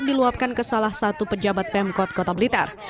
diluapkan ke salah satu pejabat pemkot kota blitar